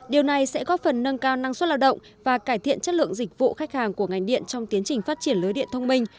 điều này sẽ góp phần nâng cao năng suất lao động và cải thiện chất lượng dịch vụ khách hàng của ngành điện trong tiến trình phát triển lưới điện thông minh